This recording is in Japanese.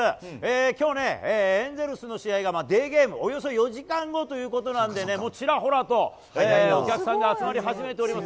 きょうね、エンゼルスの試合がデーゲーム、およそ４時間後ということなんでね、もうちらほらと、お客さんが集まり始めております。